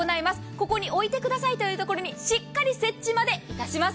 ここに置いてくださいというところにしっかり設置までいたします。